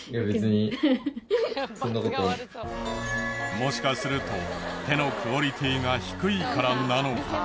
もしかすると手のクオリティが低いからなのか。